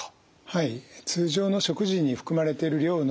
はい。